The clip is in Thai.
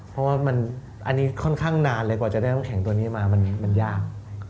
เพราะว่าอันนี้ค่อนข้างนานเลยกว่าจะได้น้ำแข็งตัวนี้มามันยาก